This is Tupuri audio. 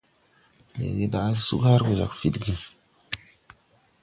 Leege daʼ sug har gɔ fidgi.